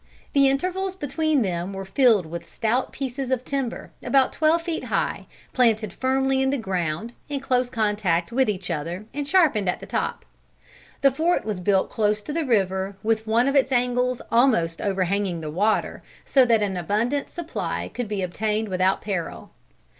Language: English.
The intervals between them were filled with stout pieces of timber, about twelve feet high, planted firmly in the ground, in close contact with each other, and sharpened at the top. The fort was built close to the river, with one of its angles almost overhanging the water, so that an abundant supply could be obtained without peril.